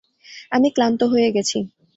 আমি ক্লান্ত হয়ে গেছি।